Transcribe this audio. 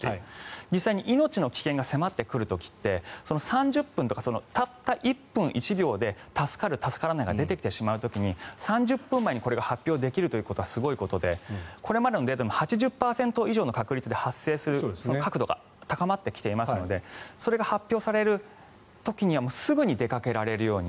実際に命の危険が迫ってくる時って３０分とか、たった１分１秒で助かる助からないが出てきてしまう時に、３０分前にこれが発表できるということはすごいことでこれまでのデータで８０％以上の確率で発生する確度が高まってきていますのでそれが発表される時にはすぐに出かけられるように。